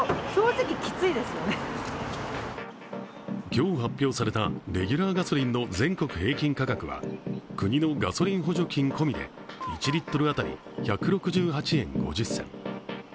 今日発表されたレギュラーガソリンの全国平均価格は国のガソリン補助金込みで１リットル当たり１６８円５０銭。